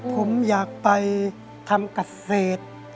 ผมอยากไปทำเกษตร